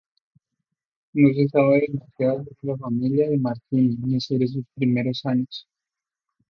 No se sabe demasiado sobre la familia de Martini ni sobre sus primeros años.